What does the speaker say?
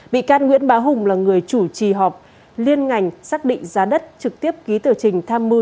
bị can nguyễn bá hùng là người chủ trì họp liên ngành xác định giá đất trực tiếp ký tờ trình tham mưu